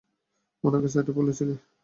উনাকে সেটা বলেছিলি?